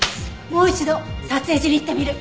もう一度撮影所に行ってみる！